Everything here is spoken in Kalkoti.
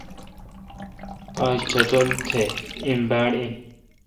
آج ٹٹھول تہ ایم باڑ این۔